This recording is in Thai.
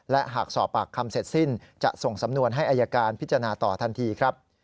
และหากสอบปากคำเสร็จสิ้นจะส่งสำนวนให้อายการพิจารณาต่อทันทีครับ